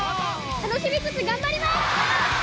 楽しみつつがんばります！